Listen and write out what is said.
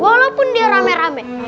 walaupun dia rame rame